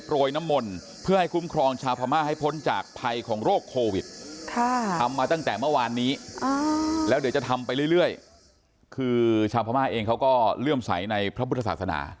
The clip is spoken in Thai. เรื่อยคือชาวพม่าเองเขาก็เลื่อมใสในพระพุทธศาสนา